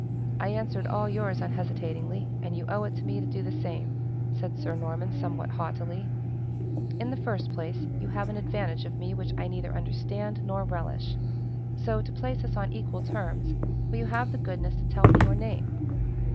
"I answered all yours unhesitatingly, and you owe it to me to do the same," said Sir Norman, somewhat haughtily. "In the first place, you have an advantage of me which I neither understand, nor relish; so, to place us on equal terms, will you have the goodness to tell me your name?"